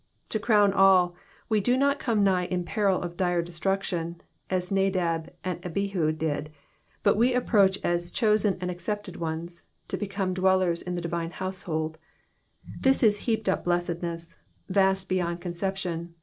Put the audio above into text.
To crown all, we do not come nigh in peril of dire destruction, as Nadab and Abihu did, but we approach as chosen and accepted ones, to become dwellers in the divine household : this is heaped up blessedness, vast beyond conception.